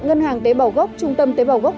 ngân hàng tế bào gốc trung tâm tế bào gốc